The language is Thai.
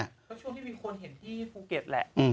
แล้วช่วงที่มีคนเห็นที่ภูเก็ตแหละ